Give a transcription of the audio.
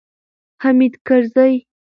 حامد کرزی